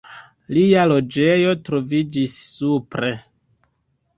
Lia loĝejo troviĝis supre.